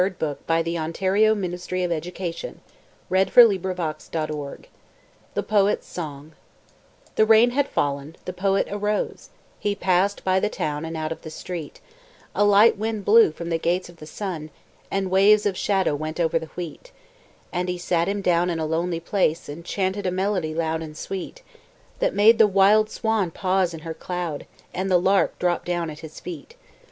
who overtakes us now shall claim thee for his pains! THE HONOURABLE MRS. NORTON THE POET'S SONG The rain had fallen, the Poet arose, He pass'd by the town and out of the street, A light wind blew from the gates of the sun, And waves of shadow went over the wheat, And he sat him down in a lonely place, And chanted a melody loud and sweet, That made the wild swan pause in her cloud, And the lark drop down at his feet.